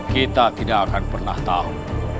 kita tidak akan pernah tahu